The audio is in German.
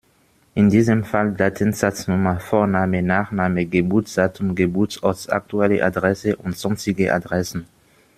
In diesem Fall: Datensatznummer, Vorname, Nachname, Geburtsdatum, Geburtsort, aktuelle Adresse und sonstige Adressen.